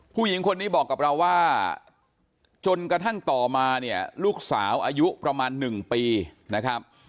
ผู้หญิงคนนี้บอกกับเราว่าจนกระทั่งต่อมาเนี่ยลูกสาวอายุประมาณ๑ปีนะครับ